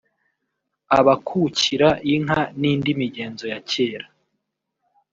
abakukira inka n’indi migenzo ya kera